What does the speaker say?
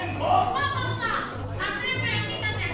そうそうそうかくれんぼやってたんだよね。